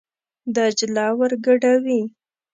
دجله ور ګډوي.